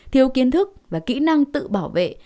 thiếu kiến thức và kỹ năng tự bảo vệ